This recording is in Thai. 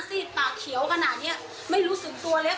ซีดปากเขียวขนาดนี้ไม่รู้สึกตัวเลย